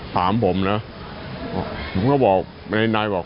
ถามผมนะผมก็บอกนายบอก